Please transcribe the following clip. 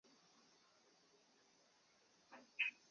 但不久后并发症突发骤逝。